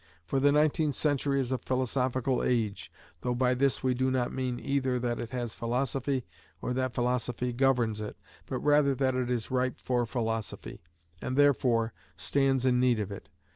For the nineteenth century is a philosophical age, though by this we do not mean either that it has philosophy, or that philosophy governs it, but rather that it is ripe for philosophy, and, therefore, stands in need of it.